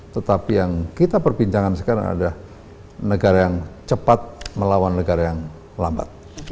tetapi yang kita perbincangkan sekarang adalah negara yang cepat melawan negara yang lambat